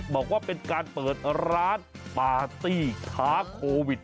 บอกว่าเป็นการเปิดร้านปาร์ตี้ค้าโควิด